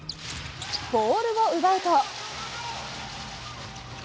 ボールを奪うと。